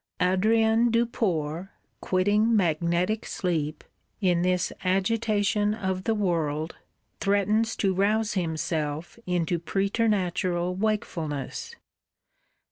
Adrien Duport, quitting magnetic sleep, in this agitation of the world, threatens to rouse himself into preternatural wakefulness.